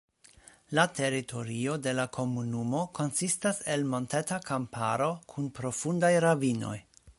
La teritorio de la komunumo konsistas el monteta kamparo kun profundaj ravinoj.